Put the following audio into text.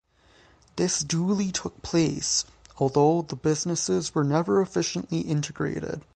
This duly took place, although the businesses were never efficiently integrated.